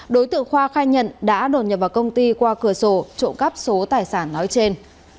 đối tượng khoa khai nhận đã đột nhập vào công ty qua cửa sổ trộm cắp số tài sản nói trên